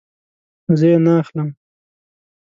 زه یی نه اخلم